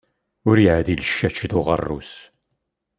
Ur yeɛdil ccac d uɣerrus.